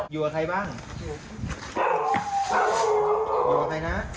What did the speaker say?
อยู่กับใครครับ